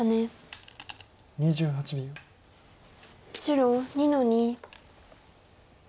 白２の二。